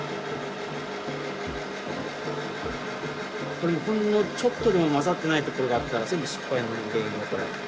これほんのちょっとでも混ざってないところがあったら全部失敗の原因だから。